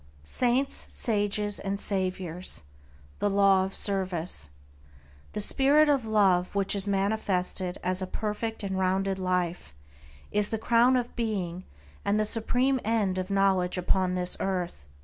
SAINTS, SAGES, AND SAVIORS: THE LAW OF SERVICE The spirit of Love which is manifested as a perfect and rounded life, is the crown of being and the supreme end of knowledge upon this earth.